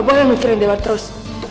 gue gak boleh mikirin dewa terus